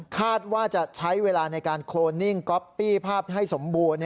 คาดว่าจะใช้เวลาในการโคลนิ่งก๊อปปี้ภาพให้สมบูรณ์